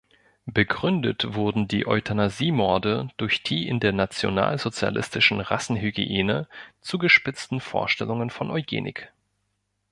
Begründet wurden die Euthanasiemorde durch die in der nationalsozialistischen Rassenhygiene zugespitzten Vorstellungen von Eugenik.